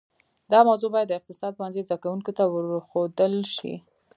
دا موضوع باید د اقتصاد پوهنځي زده کونکو ته ورښودل شي